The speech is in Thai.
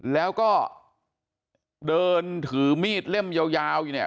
แล้วก็เดินถือมีดเล่มยาวอยู่เนี่ย